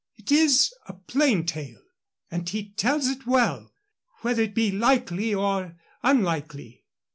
"It is a plain tale, and he tells it well, whether it be likely or unlikely."